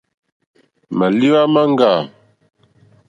Màlìwá máŋɡâ.